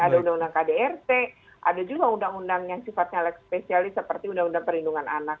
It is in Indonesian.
ada undang undang kdrt ada juga undang undang yang sifatnya leg spesialis seperti undang undang perlindungan anak